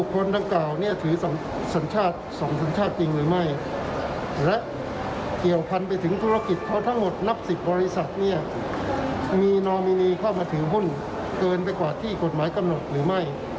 เพราะทั้งหมดนับสิบบริษัทเนี่ยมีนอมินีเข้ามาถือหุ้นเกินไปกว่าที่กฎหมายกำหนดหรือไม่